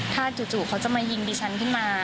ถ้าจู่เขาจะมายิงดิฉันขึ้นมา